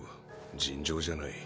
尋常じゃない。